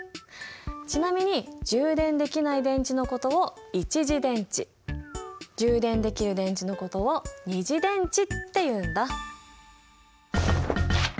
ちなみに充電できない電池のことを一次電池充電できる電池のことを二次電池っていうんだ。